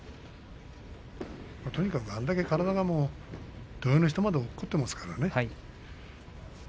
とにかく、あれだけ体が土俵の下まで落っこちていますからね。